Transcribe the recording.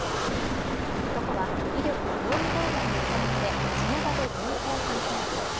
男は威力業務妨害の疑いでその場で現行犯逮捕。